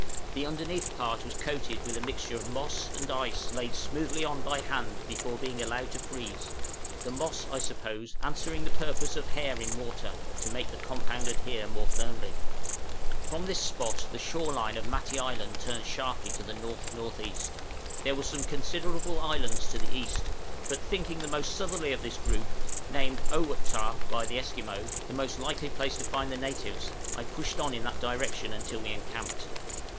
The underneath part was coated with a mixture of moss and ice laid smoothly on by hand before being allowed to freeze, the moss, I suppose, answering the purpose of hair in mortar, to make the compound adhere more firmly. From this spot the shore line of Matty Island turned sharply to the N.N.E.; there were some considerable islands to the east, but thinking the most southerly of this group, named "Owut tā" by the Esquimaux, the most likely place to find the natives, I pushed on in that direction until we encamped.